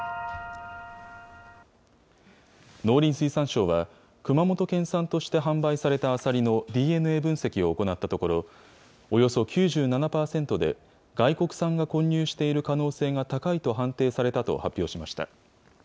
農林水産省は、熊本県産として販売されたアサリのＤＮＡ分析を行ったところ、およそ９７％で、外国産が混入している可能性が高いと判定されたと発表しました。